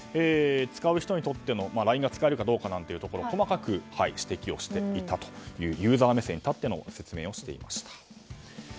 使う人にとってのＬＩＮＥが使えるかどうかなんていうところ細かく指摘していたというユーザー目線に立っての説明をしていました。